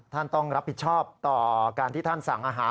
ท่านต้องรับผิดชอบต่อการที่ท่านสั่งอาหาร